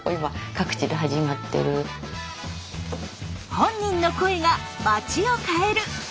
“本人の声”がまちを変える！